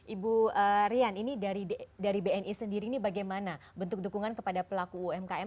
ibu rian ini dari bni sendiri ini bagaimana bentuk dukungan kepada pelaku umkm